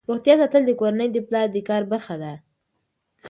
روغتیا ساتل د کورنۍ د پلار د کار برخه ده.